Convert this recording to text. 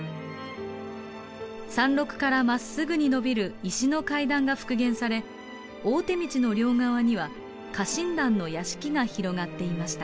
山麓からまっすぐに延びる石の階段が復元され大手道の両側には家臣団の屋敷が広がっていました。